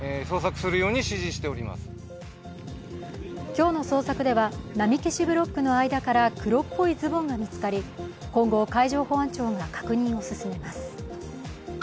今日の捜索では波消しブロックの間から黒っぽいズボンが見つかり今後海上保安庁が確認を進めます。